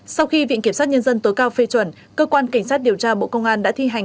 sau khi viện kiểm sát nhân dân tối cao phê chuẩn cơ quan cảnh sát điều tra bộ công an đã thi hành